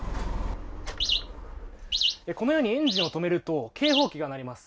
このようにエンジンを止めると警報器が鳴ります。